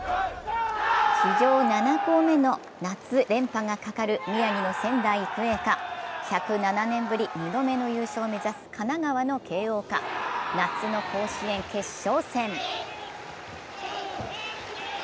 史上７校目の夏連覇がかかる宮城の仙台育英か１０７年ぶり２度目の優勝を目指す神奈川の慶応か夏の甲子園決勝戦。